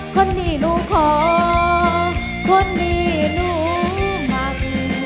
คนนี้หนูขอคนดีหนูมัน